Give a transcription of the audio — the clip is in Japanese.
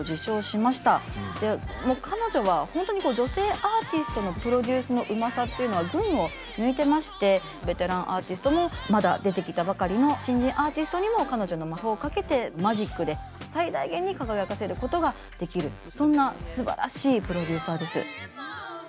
でもう彼女は本当にこう女性アーティストのプロデュースのうまさっていうのは群を抜いてましてベテランアーティストもまだ出てきたばかりの新人アーティストにも彼女の魔法をかけてマジックで最大限に輝かせることができるそんなすばらしいプロデューサーです。